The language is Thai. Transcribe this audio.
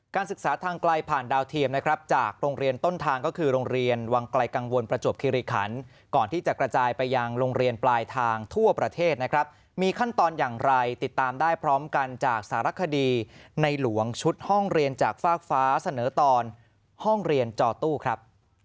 ศึกษาทางไกลผ่านดาวเทียมนะครับจากโรงเรียนต้นทางก็คือโรงเรียนวังไกลกังวลประจวบคิริขันก่อนที่จะกระจายไปยังโรงเรียนปลายทางทั่วประเทศนะครับมีขั้นตอนอย่างไรติดตามได้พร้อมกันจากสารคดีในหลวงชุดห้องเรียนจากฟากฟ้าเสนอตอนห้องเรียนจอตู้ครับ